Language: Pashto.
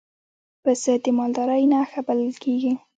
پسه د مالدارۍ نښه بلل کېږي.